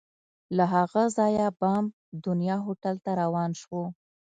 له هغه ځایه بام دنیا هوټل ته روان شوو.